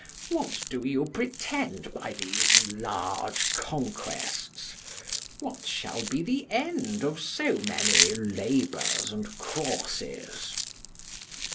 What do you pretend by these large conquests? What shall be the end of so many labours and crosses?